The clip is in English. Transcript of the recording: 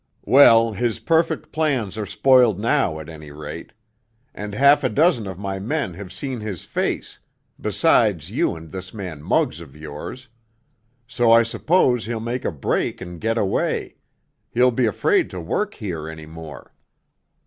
"Well, his perfect plans are spoiled now, at any rate. And half a dozen of my men have seen his face—besides you and this man Muggs of yours. So I suppose he'll make a break and get away; he'll be afraid to work here any more.